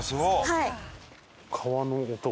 はい。